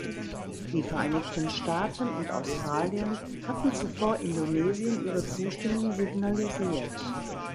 Die Vereinigten Staaten und Australien hatten zuvor Indonesien ihre Zustimmung signalisiert.